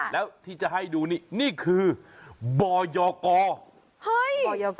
แล้วที่จะให้ดูนี่คือภรรพ์บอยกอ